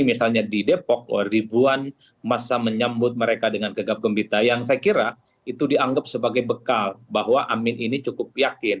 misalnya di depok ribuan masa menyambut mereka dengan gegap gembita yang saya kira itu dianggap sebagai bekal bahwa amin ini cukup yakin